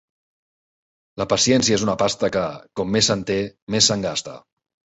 La paciència és una pasta que, com més se'n té, més se'n gasta.